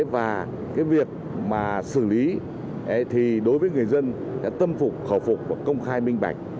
và việc xử lý thì đối với người dân tâm phục khẩu phục và công khai minh bạch